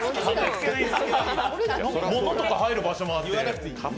物とか入る場所もあって。